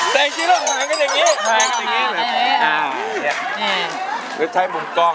สวัสดีครับคุณหน่อย